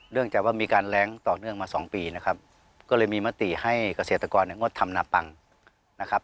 จากว่ามีการแรงต่อเนื่องมาสองปีนะครับก็เลยมีมติให้เกษตรกรเนี่ยงดทำนาปังนะครับ